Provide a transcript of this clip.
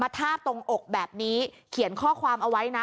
ทาบตรงอกแบบนี้เขียนข้อความเอาไว้นะ